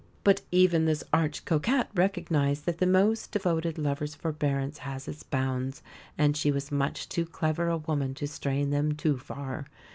But even this arch coquette recognised that the most devoted lover's forbearance has its bounds, and she was much too clever a woman to strain them too far.